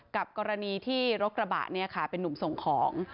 กับกรณีที่รถกระบะเป็นนุ่มส่งของ